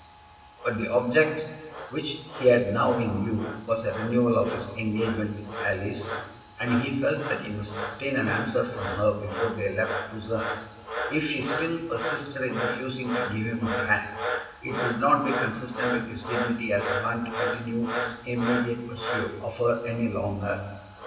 But the object which he had now in view was a renewal of his engagement with Alice, and he felt that he must obtain an answer from her before they left Lucerne. If she still persisted in refusing to give him her hand, it would not be consistent with his dignity as a man to continue his immediate pursuit of her any longer.